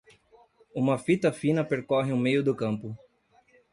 Uma fita fina percorre o meio do campo.